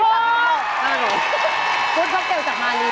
คุณฟังเตลจากมาลี